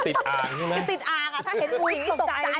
ก็ติดอ่างอ่ะถ้าเห็นงูตกใจอ่ะ